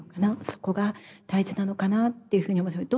そこが大事なのかなっていうふうに思います。